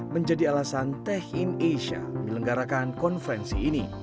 menjadi alasan tech in asia dilenggarakan konferensi ini